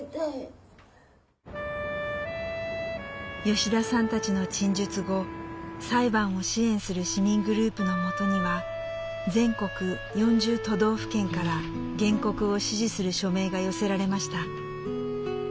吉田さんたちの陳述後裁判を支援する市民グループのもとには全国４０都道府県から原告を支持する署名が寄せられました。